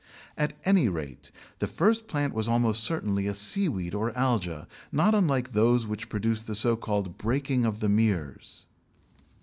At any rate, the first plant was almost certainly a seaweed or alga not unlike those which produce the so called "breaking of the meres."